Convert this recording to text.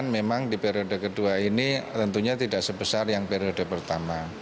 memang di periode kedua ini tentunya tidak sebesar yang periode pertama